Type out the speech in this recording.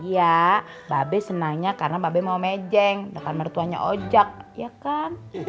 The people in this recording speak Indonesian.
iya babe senangnya karena babe mau mejeng dengan mertuanya ojak ya kan